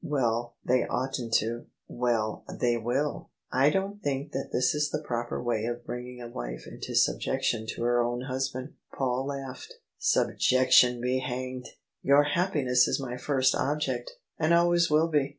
"Well, they oughtn't to." "Well, they wfll." " I don't think that that Is the proper way of bringing a wife into subjection to her own husband." Paul laughed. " Subjection be hanged 1 Your happiness is my first object, and always will be.